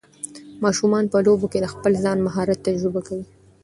ماشومان په لوبو کې د خپل ځان مهارت تجربه کوي.